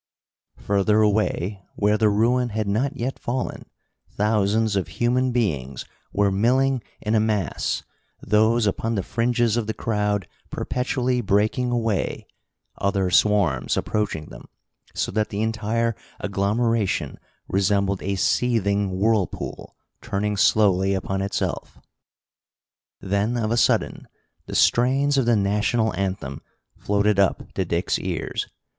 Further away: where the ruin had not yet fallen, thousands of human beings were milling in a mass, those upon the fringes of the crowd perpetually breaking away, other swarms approaching them, so that the entire agglomeration resembled a seething whirlpool turning slowly upon itself. Then of a sudden the strains of the national anthem floated up to Dick's ears.